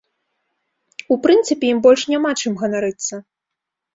У прынцыпе, ім больш няма чым ганарыцца.